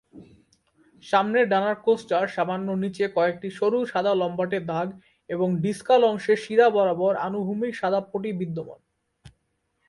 সামনের ডানার কোস্টার সামান্য নিচে কয়েকটি সরু সাদা লম্বাটে দাগ এবং ডিসকাল অংশে শিরা বরাবর আনুভূমিক সাদা পটি বিদ্যমান।